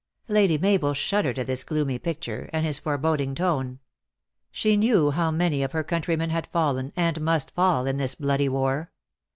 Lady Mabel shuddered at this gloomy picture, and his foreboding tone. She knew how many of her countrymen had fallen, and must fall, in this bloody war.